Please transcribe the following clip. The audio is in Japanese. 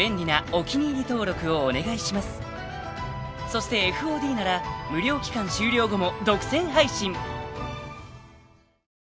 ［そしてＦＯＤなら無料期間終了後も］